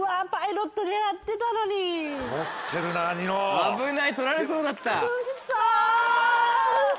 危ない取られそうだった。